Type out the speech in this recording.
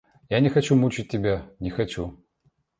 Я не хочу мучать тебя, не хочу!